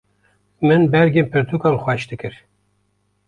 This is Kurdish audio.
Min bergên pirtûkan xweş dikir.